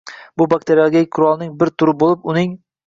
Bu bakteriologik qurolning bir turi bo‘lib, uning